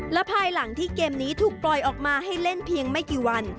และภายหลังที่เกมนี้ถูกปล่อยออกมาให้เล่นเพียงไม่กี่วัน